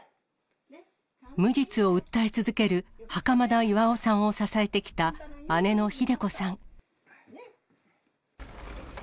無実を訴え続ける袴田巌さんを支えてきた姉のひで子さん。